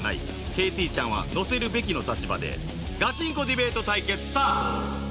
ＫＴ ちゃんは載せるべきの立場でガチンコディベート対決スタート！